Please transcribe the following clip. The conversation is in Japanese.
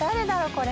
これ。